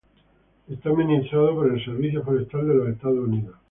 Está administrado por el Servicio Forestal de los Estados Unidos.